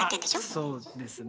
そうですね。